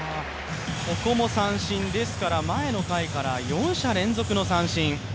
ここも三振ですから前の回から４者連続の三振。